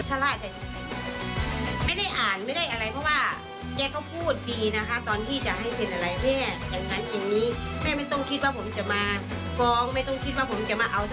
ไม่ได้อ่านไม่ได้อะไรเพราะว่า